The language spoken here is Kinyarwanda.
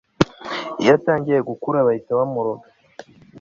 iyo atangiye gukura bahita bamuroga